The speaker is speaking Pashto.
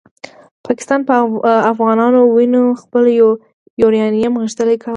پاکستان په افغانانو وینو خپل یورانیوم غښتلی کاوه.